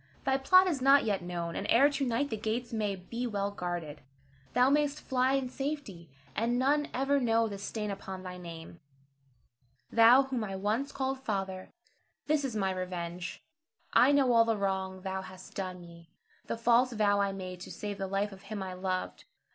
Thy plot is not yet known, and ere to night the gates may be well guarded. Thou mayst fly in safety, and none ever know the stain upon thy name. Thou whom I once called father, this is my revenge. I know all the wrong thou hast done me, the false vow I made to save the life of him I loved.